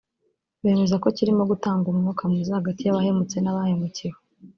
bemeza ko kirimo gutanga umwuka mwiza hagati y’abahemutse n’abahemukiwe